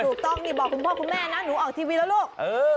ถูกต้องนี่บอกคุณพ่อคุณแม่นะหนูออกทีวีแล้วลูก